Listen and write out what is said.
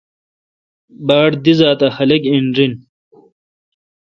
با ڑ دی زات اہ خلق این رن۔